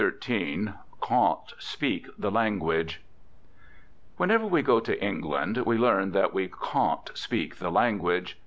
XIII CAUN'T SPEAK THE LANGUAGE Whenever we go to England we learn that we "caun't" speak the language.